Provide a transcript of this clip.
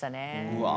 うわ。